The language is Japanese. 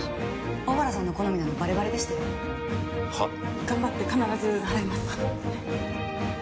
小原さんの好みなのバレバレでしたよ。は？頑張って必ず払います。